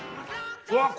うわっ！